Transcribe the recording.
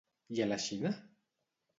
I a la Xina?